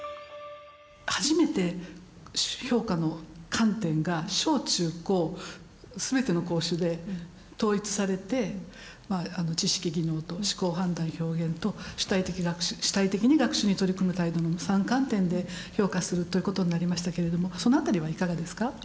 初めて評価の観点が小中高全ての校種で統一されてまあ「知識・技能」と「思考・判断・表現」と「主体的に学習に取り組む態度」の３観点で評価するということになりましたけれどもそのあたりはいかがですか？